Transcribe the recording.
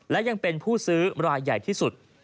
และยังเป็นผู้ซื้อรายใหญ่ที่สุด